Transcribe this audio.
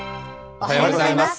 おはようございます。